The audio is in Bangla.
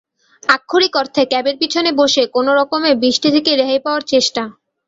আক্ষরিক অর্থে ক্যাবের পিছনে বসে কোনরকমে বৃষ্টি থেকে রেহাই পাওয়ার চেষ্টা।